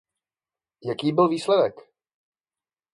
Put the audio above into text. Jaký byl výsledek?